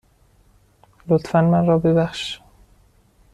لطفاً من را ببخش.